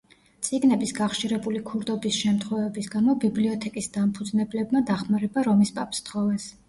წიგნების გახშირებული ქურდობის შემთხვევების გამო ბიბლიოთეკის დამფუძნებლებმა დახმარება რომის პაპს სთხოვეს.